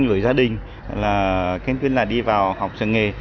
những người gia đình là kênh tuyên là đi vào học trường nghề